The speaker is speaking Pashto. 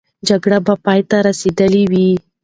جګړه به پای ته رسېدلې وي.